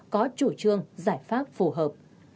có chủ trương giải pháp phù hợp